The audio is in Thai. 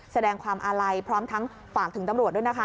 แสดงความอาลัยพร้อมทั้งฝากถึงตำรวจด้วยนะคะ